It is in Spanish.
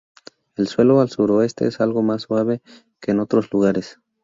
El suelo al suroeste es algo más suave que en otros lugares.